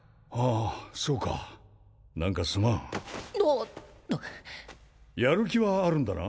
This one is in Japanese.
あそうか何かすまんやる気はあるんだな？